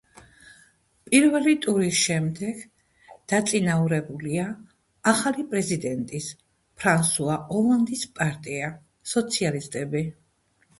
პირველი ტურის შემდეგ დაწინაურებულია ახალი პრეზიდენტის, ფრანსუა ოლანდის პარტია, სოციალისტები.